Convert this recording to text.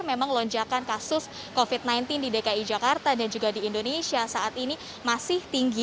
memang lonjakan kasus covid sembilan belas di dki jakarta dan juga di indonesia saat ini masih tinggi